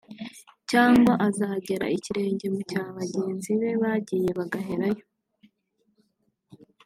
Cyangwa azagera ikirenge mu cya bagenzi be bagiye bagaherayo